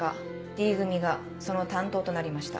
Ｄ組がその担当となりました。